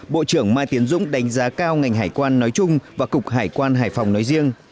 bộ trưởng mai tiến dũng đánh giá cao ngành hải quan nói chung và cục hải quan hải phòng nói riêng